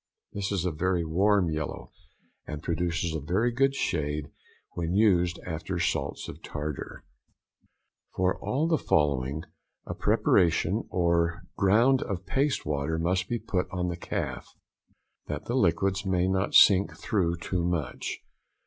This is a very warm yellow, and produces a very good shade when used after salts of tartar. For all the following, a preparation or ground of paste water must be put on the calf, that the liquids may not sink through too much.